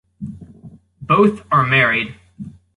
Both are married.